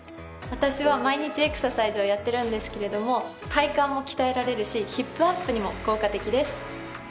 私は毎日エクササイズをやっているんですけども体幹も鍛えられるしヒップアップにも効果的です。